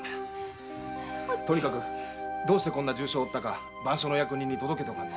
とにかくどうしてこんな重傷を負ったか番所の役人に届けておかんと。